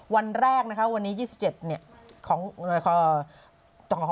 วันแรกวันนี้๒๗ของวันแรก